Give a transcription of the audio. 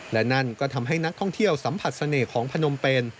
และนั่นก็ทำให้นักท่องเที่ยวสัมผัสเสน่ห์ของพนมเป็น